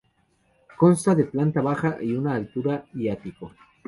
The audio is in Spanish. Consta de planta baja y una altura y ático.